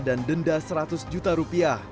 dan denda seratus juta rupiah